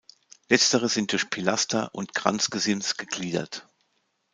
Letztere sind durch Pilaster und Kranzgesims gegliedert.